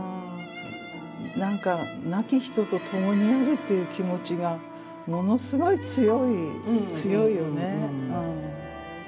何か亡き人と共にあるっていう気持ちがものすごい強いよね。